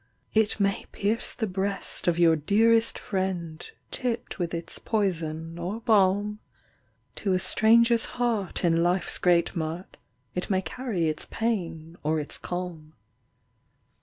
It may pierce the breast of your dearest friend, Tipped with its poison or balm; To a stranger's heart in life's great mart, It may carry its pain or its calm.